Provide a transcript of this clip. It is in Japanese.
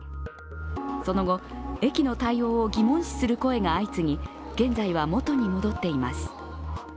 その後、駅の対応を疑問視する声が相次ぎ、現在は元に戻っています。